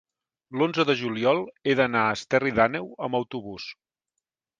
l'onze de juliol he d'anar a Esterri d'Àneu amb autobús.